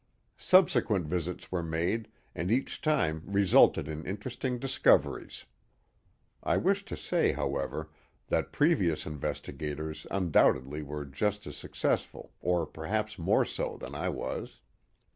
Subsequent visits were made, and each time resulted in interesting discoveries. (I wish to say, however, that previous investigators, undoubtedly were just as succcessful or perhaps more so than I was.)